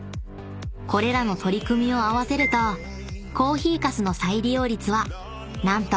［これらの取り組みを合わせるとコーヒーかすの再利用率は何と］